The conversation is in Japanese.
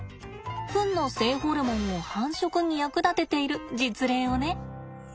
フンの性ホルモンを繁殖に役立てている実例をね。